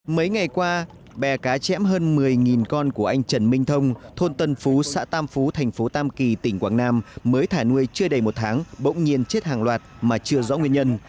mấy ngày qua bè cám hơn một mươi con của anh trần minh thông thôn tân phú xã tam phú thành phố tam kỳ tỉnh quảng nam mới thả nuôi chưa đầy một tháng bỗng nhiên chết hàng loạt mà chưa rõ nguyên nhân